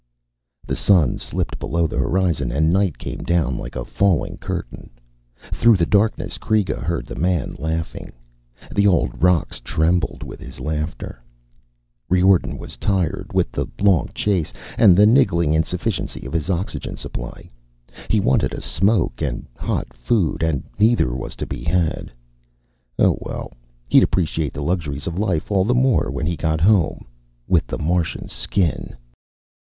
The sun slipped below the horizon and night came down like a falling curtain. Through the darkness Kreega heard the man laughing. The old rocks trembled with his laughter. Riordan was tired with the long chase and the niggling insufficiency of his oxygen supply. He wanted a smoke and hot food, and neither was to be had. Oh, well, he'd appreciate the luxuries of life all the more when he got home with the Martian's skin.